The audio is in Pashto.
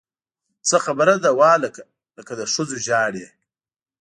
څه خبره ده وهلکه! لکه د ښځو ژاړې!